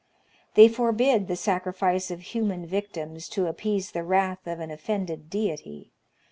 They forbid the sacrifice of human victims to appease the wrath of an offended deity.